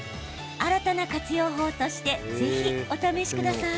新たな活用法としてぜひ、お試しください。